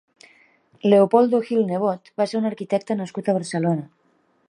Leopoldo Gil Nebot va ser un arquitecte nascut a Barcelona.